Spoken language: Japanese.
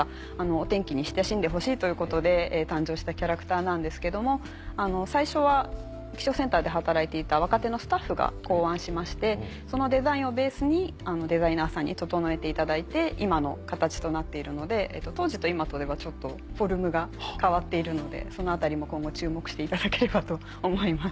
お天気に親しんでほしいということで誕生したキャラクターなんですけども最初は気象センターで働いていた若手のスタッフが考案しましてそのデザインをベースにデザイナーさんに整えていただいて今の形となっているので当時と今とではちょっとフォルムが変わっているのでそのあたりも今後注目していただければと思います。